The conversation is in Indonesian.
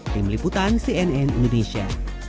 tim liputan cnn indonesia